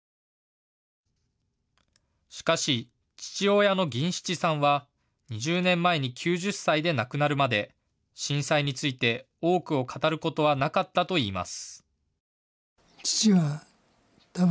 しかし父親の銀七さんは２０年前に９０歳で亡くなるまで震災について多くを語ることはなかったといいます。